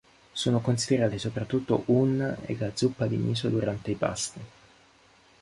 Sono considerati soprattutto un e la zuppa di miso durante i pasti.